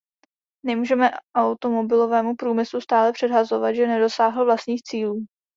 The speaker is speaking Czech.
Nemůžeme automobilovému průmyslu stále předhazovat, že nedosáhl vlastních cílů.